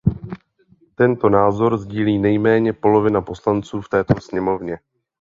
Tento názor sdílí nejméně polovina poslanců v této sněmovně.